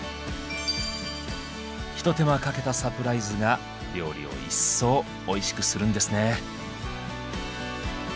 ひと手間かけたサプライズが料理を一層おいしくするんですね。